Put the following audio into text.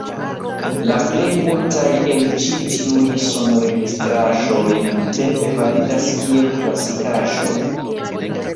La plej multaj el ĉi tiuj sonregistraĵoj nuntempe validas kiel klasikaĵoj.